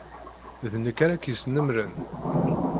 D nekk ara k-yesnemmren.